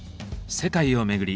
世界を巡り